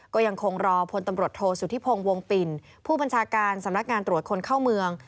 ก็ยังคงรอพลตำรวจโทษสุธิพงศ์วงปิ่นผู้บัญชาการสำนักงานตรวจคนเข้าเมือง